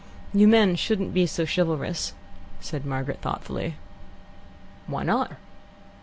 "You men shouldn't be so chivalrous," said Margaret thoughtfully. "Why not?"